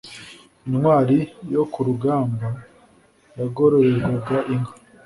intwari yo ku rugamba yagororerwaga inka.